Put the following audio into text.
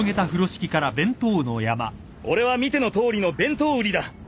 俺は見てのとおりの弁当売りだ。